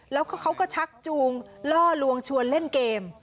แล้วเขาก็ชักจูงล่อลวงชวนเล่นเกม